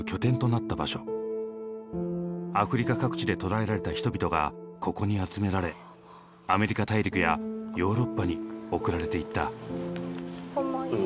アフリカ各地で捕らえられた人々がここに集められアメリカ大陸やヨーロッパに送られていった。